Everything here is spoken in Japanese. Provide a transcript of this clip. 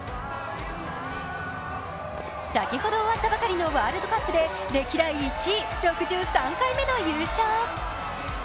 先ほど終わったばかりのワールドカップで歴代１位、６３回目の優勝。